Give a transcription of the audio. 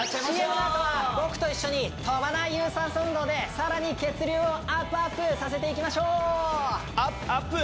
ＣＭのあとは僕と一緒に跳ばない有酸素運動でさらに血流をアップアップ！